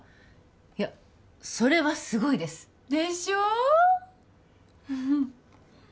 いやそれはすごいですでしょう？